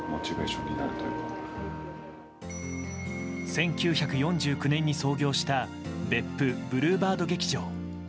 １９４９年に創業した別府ブルーバード劇場。